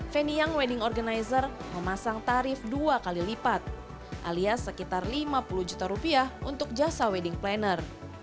veniang wedding organizer memasang tarif dua kali lipat alias sekitar lima puluh juta rupiah untuk jasa wedding planner